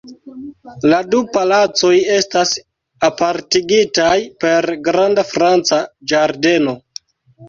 La du palacoj estas apartigitaj per granda franca ĝardeno.